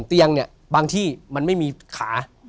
เตียงเนี่ยบางที่มันไม่มีขา